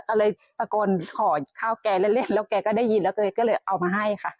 ก็เลยตะโกนขอข้าวแกเล่นแล้วแกก็ได้ยินแล้วก็เลยเอามาให้ค่ะ